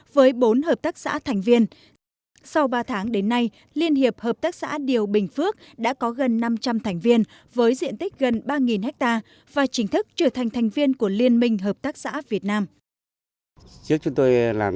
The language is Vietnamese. với bốn hợp tác xã thành viên sau ba tháng đến nay liên hiệp hợp tác xã điều bình phước đã có gần năm trăm linh thành viên với diện tích gần ba ha và chính thức trở thành thành viên của liên minh hợp tác xã việt nam